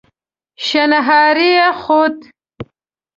شڼهاری يې خوت.